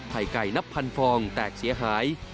ไข่ไก่นับพันฟองแตกเสียหาย